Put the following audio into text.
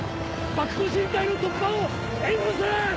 縛虎申隊の突破を援護する！